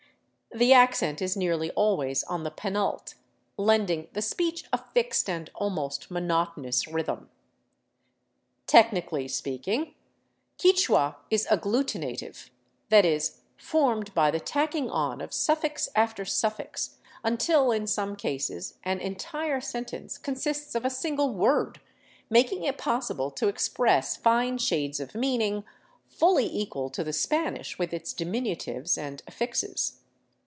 The accent is nearly always on the penult, lending the speech a fixed and almost monotonous rhythm. Technically speaking, Quichua is aglutinative, that is, formed by the tacking on of suffix after suffix, until in some cases an entire sentence consists of a single word, making it possible to express fine shades of meaning fully equal to the Spanish with its diminutives and affixes.